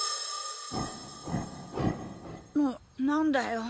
な何だよ！